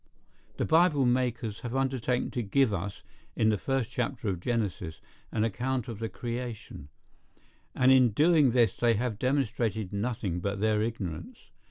[The Bible makers have undertaken to give us, in the first chapter of Genesis, an account of the creation; and in doing this they have demonstrated nothing but their ignorance.